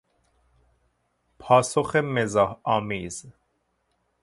پاسخ مزاح آمیز